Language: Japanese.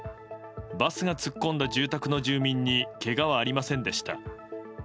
バスが突っ込んだ住宅の住民にけがはありませんでした。